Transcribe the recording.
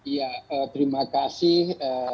ya terima kasih